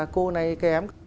cô này kém